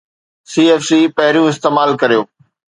CFC پهريون استعمال ڪريو